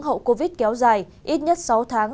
hậu covid kéo dài ít nhất sáu tháng